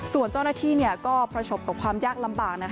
ส่วนเจ้าหน้าที่ก็ประสบกับความยากลำบาก